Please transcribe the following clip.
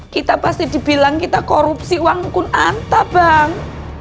kita pasti dibilang kita korupsi uang kunanta bang